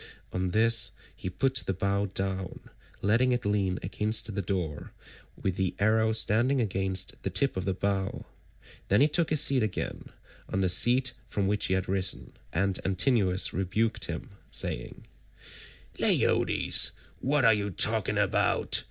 On this he put the bow down, letting it lean against the door,164 with the arrow standing against the tip of the bow. Then he took his seat again on the seat from which he had risen; and Antinous rebuked him saying: "Leiodes, what are you talking about?